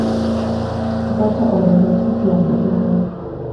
Kupata orodha fupi angalia hapa